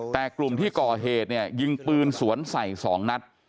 แต่กลุ่มที่ก่อเหตุเนี่ยยิงปืนสวนใส่๒นัด